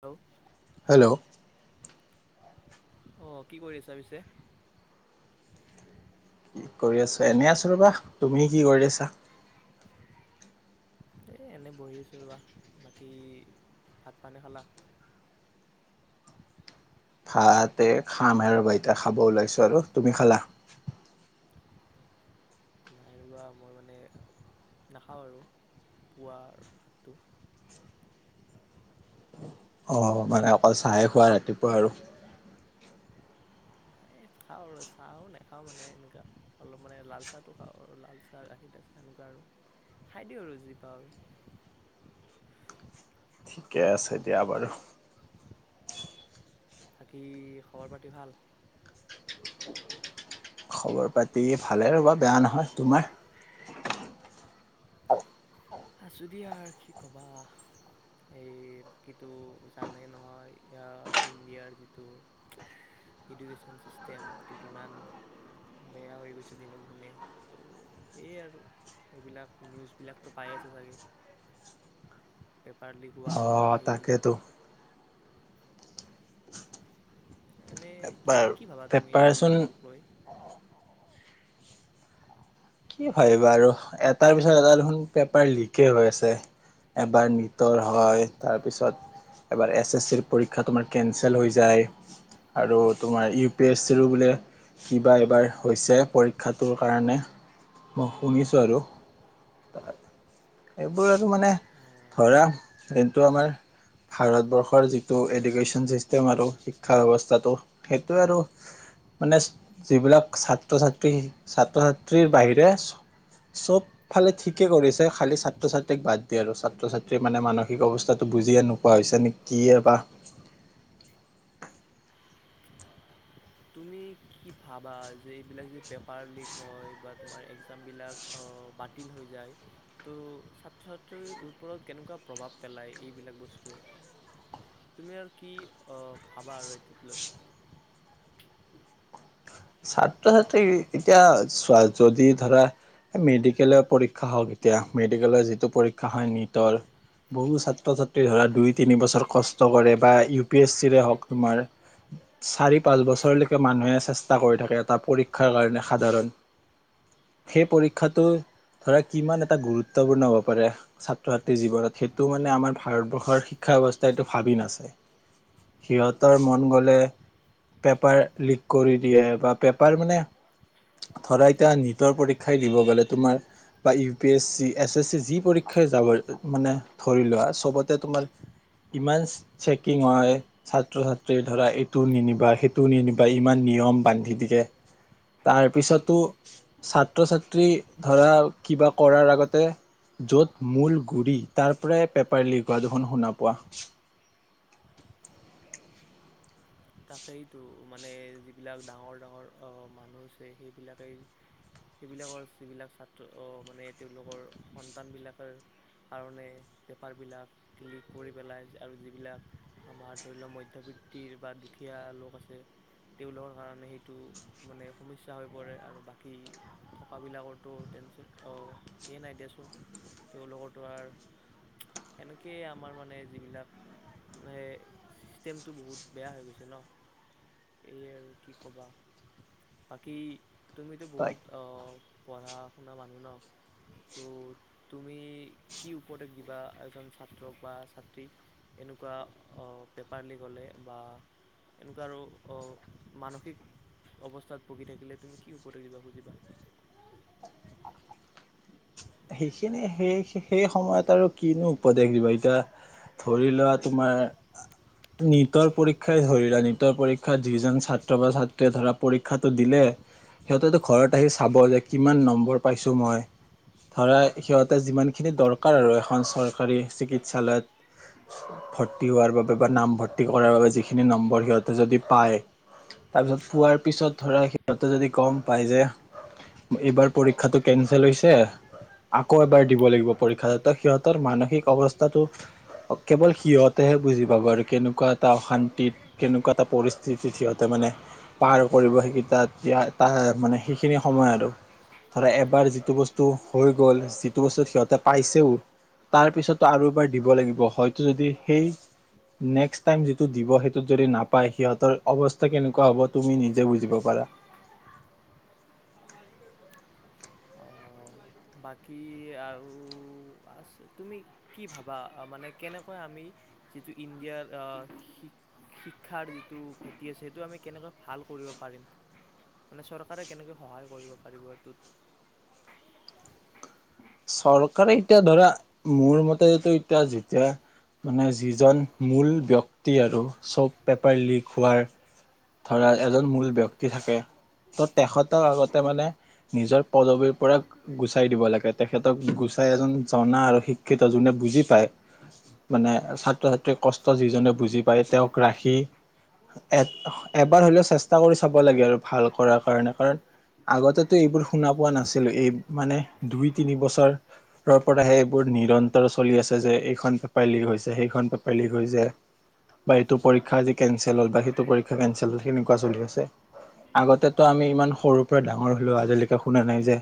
Hello. Hello. অহ, কি কৰি আছা পিছে? কি কৰি আছো, এনে আছো ৰ'বা, তুমি কি কৰি আছা? এই এনেই বহি আছোঁ ৰ'বা, বাকী ভাত পানী খালা? ভাত, এ, খাম হে ৰ'বা এতিয়া খাব ওলাইছোঁ আৰু তুমি খালা? নাই ৰ'বা মই মানে নাখাওঁ আৰু পোৱাৰ ভাতটো। অ', মানে অকল চাহে খোৱা ৰাতিপুৱা আৰু। এই খাওঁ আৰু চাওঁ নাখাওঁ মানে এনেকুৱা অলপ মানে লাল চাহটো খাওঁ আৰু লাল চাহ গাখীৰ দিয়া চাহ এনেকুৱা আৰু খাই দিওঁ আৰু যি পাওঁ আৰু। ঠিকে আছে দিয়া বাৰু। বাকী খবৰ পাতি ভাল? খবৰ পাতি ভালে ৰ'বা, বেয়া নহয়। তোমাৰ? আছো দিয়া আৰ কি ক'বা এই বাকীটো জানেই নহয় এতিয়া ইণ্ডিয়াৰ যিটো এডুকেশ্যন ছিষ্টেম টো কিমান বেয়া হৈ গৈছে দিনক দিনে ত' সেয়েই আৰু এইবিলাক নিউজবিলাকতো পাই আছা চাগে, পেপাৰ লিক হোৱা। বা অ', সেই তাকেতো। [inaudible] এনেই কি, পেপাৰ কি ভাবা তুমি পেপাৰচোন এইবিলাকক লৈ? কি ভাবিবা আৰু এটাৰ পিছত এটা দেখোন পেপাৰ লিকেই হৈ আছে এবাৰ নীটৰ হয়, তাৰপিছত এবাৰ এছ এছ চিৰ পৰীক্ষা তোমাৰ কেঞ্চেল হৈ যায় আৰু তোমাৰ ইউ পি এছ চিৰো বোলে কিবা এবাৰ হৈছে পৰীক্ষাটোৰ কাৰণে। মই শুনিছো আৰু এইবোৰ আৰু মানে অ', ধৰা যোনটো আমাৰ ভাৰতবৰ্ষৰ যিটো এডুকেশ্যন চিষ্টেম আৰু শিক্ষা ব্যৱস্থাটো সেইটো আৰু মানে যিবিলাক ছাত্ৰ-ছাত্ৰী, ছাত্ৰ-ছাত্ৰীৰ বাহি ৰে চব ফালে ঠিকে কৰিছে খালি ছাত্ৰ-ছাত্ৰীক বাদ দি আৰু ছাত্ৰ-ছাত্ৰীৰ মানে মানসিক অৱস্থাটো বুজিয়ে নোপোৱা হৈছে নে কি এ বা তুমি কি ভাবা যে, এইবিলাক যে পেপাৰ লিক হয় বা তোমাৰ এক্সামবিলাক অ', বাতিল হৈ যায় ত' ছাত্ৰ ছাত্ৰীৰ ওপৰত কেনেকুৱা প্ৰভাৱ পেলায় এইবিলাক বস্তুই, তুমি আৰু কি ভাবা আৰু এইটোক লৈ? ছাত্ৰ-ছাত্ৰীৰ এতিয়া চোৱা, যদি ধৰা এ, মেডিকেলৰ পৰীক্ষা হওঁক এতিয়া মেডিকেলৰ যিটো পৰীক্ষা হয় নীটৰ, বহু ছাত্ৰ-ছাত্ৰী ধৰা দুই তিনি বছৰ কষ্ট কৰে বা ইউ পি এছ চিৰে হওঁক তোমাৰ চাৰি-পাঁচ বছৰলৈকে মানুহে চেছ টা কৰি থাকে এটা পৰীক্ষাৰ কাৰণে সাধাৰণ সেই পৰীক্ষাটো ধৰা কিমান এটা গুৰুত্বপূৰ্ণ হ'ব পাৰে ছাত্ৰ-ছাত্ৰীৰ জীৱনত সেইটো মানে আমাৰ ভাৰতবৰ্ষৰ শিক্ষা ব্যৱস্থা এইটো ভাবি নাচাই, সিহঁতৰ মন গ'লে পেপাৰ লিক কৰি দিয়ে বা পেপাৰ মানে ধৰা এতিয়া নীটৰ পৰীক্ষাই দিব গ'লে তোমাৰ বা U P S C, S S C যি পৰীক্ষাই যাব মানে ধৰি লোৱা চবতে তোমাৰ ইমান চেকিং হয়, ছাত্ৰ-ছাত্ৰীৰ ধৰা এইটো নিনিবা সেইটো নিনিবা ইমান নিয়ম বান্ধি দিয়ে, তাৰপিছতো ছাত্ৰ-ছাত্ৰী ধৰা কিবা কৰাৰ আগতে য'ত মূল গুৰি তাৰ পৰাই পেপাৰ লিক হোৱা দুখুন শুনা পোৱা। তাকেইতো, মানে যিবিলাক ডাঙৰ, ডাঙৰ অ', মানুহ আছে সেইবিলাকেই সেইবিলাকৰ যিবিলাক ছাত্ৰ মানে তেওঁলোকৰ সন্তানবিলাকৰ কাৰণে পেপাৰবিলাক ক্লিক কৰি পেলাই আৰু যিবিলাক আমাৰ ধৰি লওক মধ্যবৃত্তিৰ বা দুখীয়া লোক আছে তেওঁলোকৰ কাৰণে সেইটো মানে সমস্যা হৈ পৰে আৰু বাকী টকাবিলাকৰতো টেনচন অ', স নাই দিয়াচোন তেওঁলোকৰটোো আৰু এনেকয় আমাৰ মানে যিবিলাক ছিষ্টেমটো বহুত বেয়া হৈ গৈছে। ন' এই আৰু কি ক'বা বাকী তুমিতো বহুত অ', পঢ়া শুনা মানুহ ন' ত' তুমি কি উপদেশ দিবা এজন ছাত্ৰক বা ছাত্ৰীক এনেকুৱা অ', পেপাৰ লিক হ'লে বা এনেকুৱা আৰু মানসিক অৱস্থাত ভুগি থাকিলে তুমি কি উপদেশ খুজিবা? সেইখিনি সেই সেই সময়ত আৰু কিনো উপদেশ দিবা, এতিয়া ধৰি লোৱা তোমাৰ নিটৰ পৰীক্ষাই ধৰিলোৱা নীটৰ পৰীক্ষাত যিজন ছাত্ৰ বা ছাত্ৰীয়ে ধৰা পৰীক্ষাটো দিলে সিহঁতেতো ঘৰত আহি চাব যে কিমান নম্বৰ পাইছো মই। ধৰা, সিহঁতে যিমানখিনি দৰকাৰ আৰু এখন চৰকাৰী চিকিৎসালয়ত ভৰ্তি হোৱাৰ বাবে বা নামভৰ্তি কৰা বাবে যিখিনি নম্বৰ সিহঁতে যদি পায়, তাৰ পিছত পোৱাৰ পিছত, ধৰা, সিহঁতে যদি গম পায় যে এইবাৰ পৰীক্ষাটো কেনচেল হৈছে। আকৌ এবাৰ দিব লাগিব পৰীক্ষা সিহঁতৰ মানসিক অৱস্থাটো কেৱল সিহঁতেহে বুজি পাব আৰু কেনেকুৱা এটা অশান্তিত কেনেকুৱা এটা পৰিস্থিতিত সিহঁতে মানে পাৰ কৰিব সিকিটো যে তাত তাৰ মানে সেইখিনি সময় আৰু ধৰা এবাৰ যিটো বস্তু হৈ গ'ল, যিটো বস্তু সিহঁতে পাইছেও, তাৰ পিছতো আৰু এবাৰ দিব লাগিব। হয়টো যদি সেই নেক্সট টাইম যিটো দিব আৰু সিটোত যদি নাপায়, সিহঁতৰ অৱস্থা কেনেকুৱা হ'ব, তুমি নিজেই বুজিব পাৰা। আহ, বাকী, আৰু আছে, তুমি কি ভাবা মানে কেনেকৈ আমি যিটো ইণ্ডিয়াৰ অ', শিক্ষাৰ যিটো ভেটি আছে, সেইটো আমি কেনেকৈ ভাল কৰিব পাৰিম? মানে, চৰকাৰে কেনেকৈ সহায় কৰিব পাৰিব, সেইটোত? চৰকাৰে এতিয়া ধৰা মোৰ মতেএতিয়া যেতিয়া মানে যিজন মূল ব্যক্তি আৰু চব পেপাৰ লিক হোৱাৰ ধৰা, এজন মূল ব্যক্তি থাকে, ত' তেখতৰ আগতে নিজৰ পদবীৰ পৰা গুচাই দিব লাগে, তেখেতক গুচাই, এজন জনা আৰু শিক্ষিত যোনে বুজি পায়, মানে ছাত্ৰ-ছাত্ৰীৰ কষ্ট যি জনে বুজি পায়, তেওঁক ৰাখি এ এবাৰ হ'লেও চেষ্টা কৰি চাব লাগে, আৰু ভাল কৰাৰ কাৰণে কাৰণ, আগতেটো এইবোৰ শুনা পোৱা নাছিলোঁ মানে, এই দুই-তিনিবছৰৰ পৰাহে এইবোৰ নিৰন্তৰ চলি আছে যে, এইখন পেপাৰ লিক হৈছে, সেইখন পেপাৰ লিক হৈছে, বা এইটো পৰীক্ষা আজি কেনচেল হ'ল, বা সেইটো পৰী কেনচেল সেনেকুৱা চলি আছে। আগতেতো আমি ইমান সৰুৰ পৰা ডাঙৰ হ'লো আজিলৈকে শুনা নাই যে,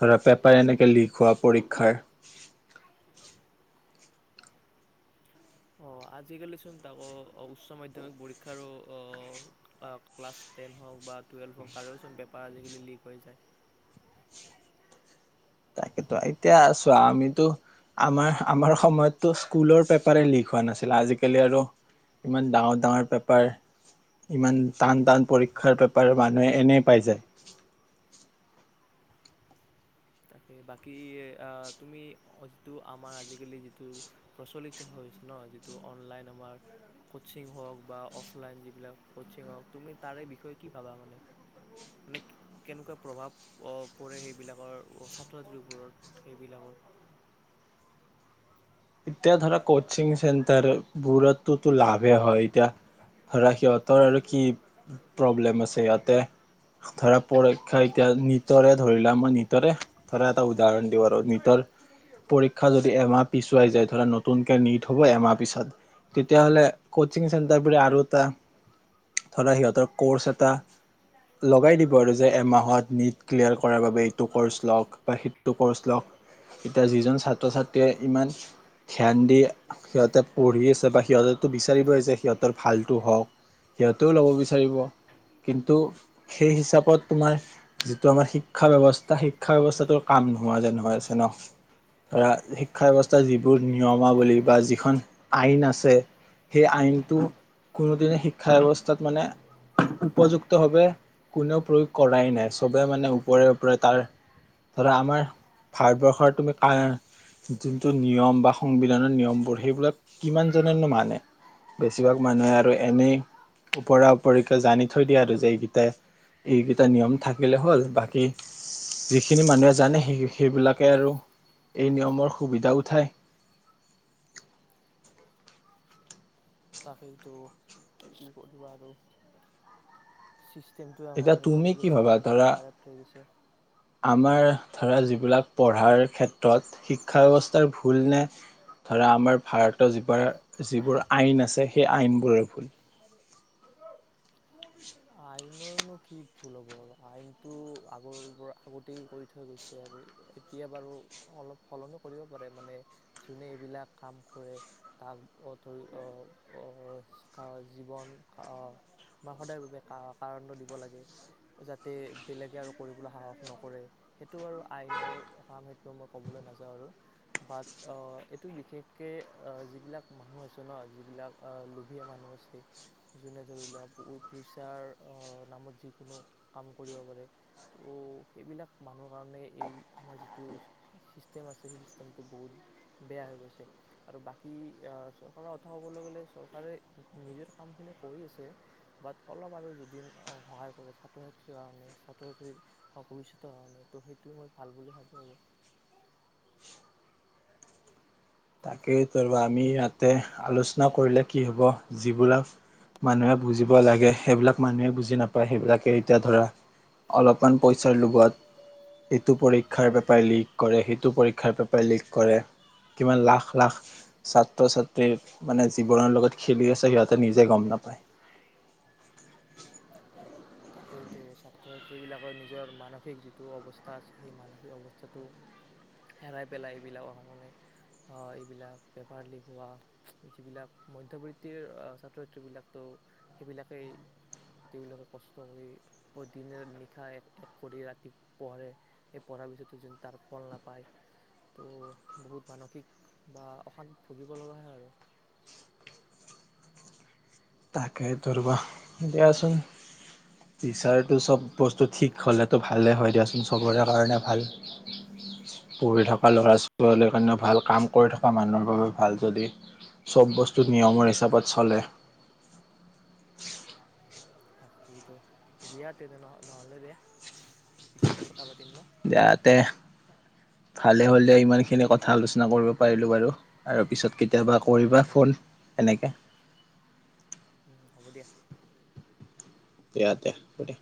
ধৰা, পেপাৰ এনেকে লিক হোৱা বা পৰীক্ষাৰ। অ', আজিকালিচোন তাকো উচ্চ মাধ্যমিক পৰীক্ষাৰো অ', ক্লাছ টেন হওক বা টোৱেলভ হওক তাৰোচোন পেপাৰ আজিকালি লিক হৈ যায়। তাকেতো এতিয়া চোৱা, আমিতো আমাৰ আমাৰ সময়ততো স্কুলৰ পেপাৰে লিক হোৱা নাছিল। আজিকালি আৰু ইমান ডাঙৰ, ডাঙৰ পেপাৰ ইমান টান-টান পৰীক্ষাৰ পেপাৰ মানুহে এনে পাই যায়। হে বাকী, অ', তুমি যিটো আমাৰ আজিকালি যিটো প্ৰচলিত হৈছে ন, যিটো অনলাইন আমাৰ কচিং হওক বা অফলাইন যিবিলাক কচিং হওক, তুমি তাৰে বিষয়ে কি ভাবা? মানে, কেনেকুৱা প্ৰভাৱ পৰে সেইবিলাকৰ ক [unintelligible] পোৰত সেইবিলাকৰ এতিয়া ধৰা, কচিং চেণ্টাৰবোৰটোটো লাভে হয় এতিয়া ধৰা সিহঁতৰ আৰু কি প্ৰব্লেম আছে ইয়াতে হঠাৎ পৰীক্ষা এতিয়া নিতৰে ধৰিলা, মই নিতৰে ধৰা এটা উদাহৰণ দিওঁ। আৰু নিটৰ পৰীক্ষা যদি এমাহ পিছ তিয়াই যায়, ধৰা নতুনকৈ নিট হব এমাহ পিছত তেতিয়াহ'লে কচিং চেণ্টাৰবোৰে আৰু এটা, ধৰা, সিহঁতৰ ক'ৰ্চ এটা লগাই দিব, আৰু ক'ব যে, এমাহত নিট ক্লিয়াৰ কৰাৰ বাবে এইটো ক'ৰ্চ লওক বা সেইটো ক'ৰ্চ লওক। এতিয়া যিজন ছাত্ৰ-ছাত্ৰীয়ে ইমান ধ্যান দি সিহঁতে পঢ়ি আছে, বা সিহঁতেতো বিচাৰিবই যে সিহঁতৰ ভালটো হওক। সিহঁতেও ল'ব বিচাৰিব। কিন্তু সেই হিচাপত, তোমাৰ যিটো আমাৰ শিক্ষা ব্যৱস্থা, শিক্ষা ব্যৱস্থাটোৰ কাম নোহোৱা যেন হৈ আছে ন? ধৰা, শিক্ষা ব্যৱ [unintelligible] যিবোৰ নিয়মাৱলী বা যিখন আইন আছে, সেই আইনটো কোনোদিনেই শিক্ষা ব্যৱস্থাত মানে উপযুক্তভাৱে কোনেও প্ৰয়োগ কৰা নাই। চবেই মানে ওপৰে ওপৰে তাৰ ধৰা, আমাৰ ভাৰতবৰ্ষৰ তুমি কা যোন তো, নিয়ম বা সংবিধানৰ নিয়মবোৰ, সেইবিলাক কিমানজনেনো মানে বেছিভাগ মানুহে আৰু এনেই ওপৰা-ওপৰিকে জানি থৈ দিয়ে আৰু যে এইকেইটা এইকেইটা নিয়ম থাক গিলে হ'ল, বাকী। যিখিনি মানুহে জানে, সেই সেইবিলাকে আৰু এই নিয়মৰ সুবিধা উঠায়। তাকেইতো, কি কৰিবা আৰু, চিচ টীমটোৰ এতিয়া আমাৰ এনেকুৱা তুমি হৈ কি গৈছে, ভাবা ধৰা কাৰেট হৈ গৈছে। আমাৰ ধৰা, যিবিলাক পঢ়াৰ ক্ষেত্ৰত শিক্ষা ব্যৱস্থাৰ ভুল নে? ধৰা, আমাৰ ভাৰতৰ যিবাৰ যিবোৰ আইন আছে, সেই আইনবোৰেই ভুল? আইনৰনো কি ভুল হ'ব আৰু আইনটো আগৰ পৰা আগতেই কৰি থৈ গৈছে আৰু এতিয়া বাৰু অলপ সলনি কৰিব পাৰে মানে যোনে এইবিলাক কাম কৰে তাক অ 'ধৰি অ' অ' কা জীৱন আ মা সদায় ৰূপে কা-কাৰণটো দিব লাগে, যাতে বেলেগে আৰু কৰিবলৈ সাহস নকৰে। সেইটো আৰু আইনৰ কাৰণে ক'বলৈ নাযাওঁ আৰু, বাট অ', বিশেষকৈ অ', যিবিলাক মানুহ আছে ন, যিবিলাক অ লোভীয়া মানুহ আছে, যোনে ধৰি লোৱা পোও পইচাৰ অ নামত যিকোনো কাম কৰিব পাৰে। তো, সেইবিলাক মানুহৰ কাৰণে এই আমাৰ যিটো চিষ্টেম আছে, সেই চিষ্টেমটো বহুত বেয়া হৈ গৈছে। আৰু বাকী, আ', চৰকাৰৰ কথা ক'বলৈ গ'লে, চৰকাৰে নিজৰ কামখিনি কৰি আছে বাট, অলপ আৰু যদি সহায় কৰে ছাত্ৰ-ছাত্ৰীৰ কাৰণে, ছাত্ৰ-ছাত্ৰীৰ ভৱিষ্যতৰ কাৰণে, টো সেইটো মই ভাল বুলি ভাবোঁ আৰু তাকেই কৰবা আমি ইয়াতে আলোচনা কৰিলে কি হ'ব? যিবোলাক মানুহে বুজিব লাগে, সেইবিলাক মানুহেই বুজি নাপায়। সেইবিলাকে এতিয়া, ধৰা, আৰু অকন পইচাৰ লোভত এইটো পৰীক্ষাৰ পেপাৰ লিক কৰে, সেইটো পৰীক্ষাৰ পেপাৰ লিক কৰে। কিমান লাখ লাখ ছাত্ৰ ছাত্ৰীৰ মানে জীৱনৰ লগত খেলি আছে সিহঁতে নিজে গম নাপায়। তাকেইতো, ছাত্ৰ-ত্ৰীবিলাকৰ নিজৰ মানসিক যিটো অৱস্থা আছে, সেই মানসিক অৱস্থাটো হেৰাই পেলাই এইবিলাকৰ কাৰণে অ', এইবিলাক পেপাৰ লিক হোৱা যিবিলাক মধ্যবিত্তিৰ অ ছাত্ৰ-ছাত্ৰী বিলাক ত সেইবিলাকেই তেওঁলোকে কচ কষ্ট কৰি, প দিনে নিশাই এক এক কৰি ৰাতি পঢ়ে। সেই পঢ়াৰ পিছতো জিন তাৰ ফল নাপায়, টো বহুত মানসিক বা অশান্তি ভুগিব লগা হয়। আৰু তাকেই ধৰিবা দিয়াচোন, বিচৰাটো চব বস্তু ঠিক হ'লেতো ভালেই হয় দিয়াচোন, চবৰে কাৰণে ভাল। পঢ়ি থকা উম, ল'ৰা ছোৱালীৰ কাৰণে ভাল। কাম কৰি থকা মানুহৰ ভাল যদি চব বস্তু নিয়মৰ হিচাপত চলে তাকেতো, দিয়া তেনে নহ নহ'লে দিয়া, পিছত কথা পা দে দে ভালে হ'লে ইমানখিনি দিয়া কথা আলোচনা কৰিব পাৰিলো বাৰু আৰু পিছত কেতিয়াবা কৰিবা তাকেই ফোন তেনেকে হ'ব দিয়া ইয়াতে [inaudible]